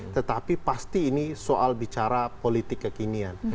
tetapi pasti ini soal bicara politik kekinian